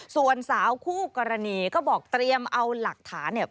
ส่วนสาวคู่กรณีก็บอกเตรียมเอาหลักฐานเนี่ย